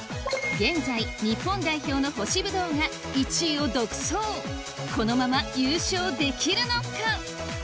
現在日本代表の干しブドウが１位を独走このまま優勝できるのか？